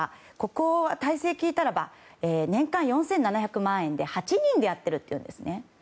ここの体制、聞いたらば年間４７００万円で８人でやっているというんですね。